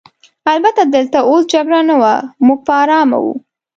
البته دلته اوس جګړه نه وه، موږ په آرامه وو.